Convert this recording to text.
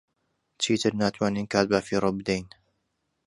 چیتر ناتوانین کات بەفیڕۆ بدەین.